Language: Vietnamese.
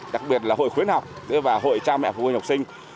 đặc biệt là hội khuyến học và hội cha mẹ phụ huynh học sinh